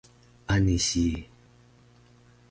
Ani si